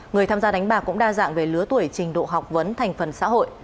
người tham gia đánh bạc cũng đa dạng về lứa tuổi trình độ học vấn thành phần xã hội